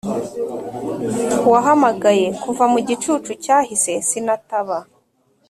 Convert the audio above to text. wahamagaye kuva mu gicucu cyahise sinataba